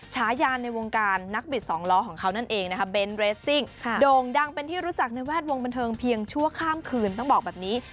ฉายานในวงการนักบิดสองล้อของเขานั่นเองนะคะเบนเรสซิ่งโด่งดังเป็นที่รู้จักในแวดวงบันเทิงเพียงชั่วข้ามคืนต้องบอกแบบนี้